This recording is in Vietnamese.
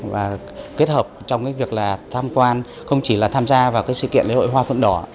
và kết hợp trong việc tham quan không chỉ tham gia vào sự kiện lễ hội hoa phượng đỏ